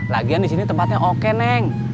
lagian disini tempatnya oke neng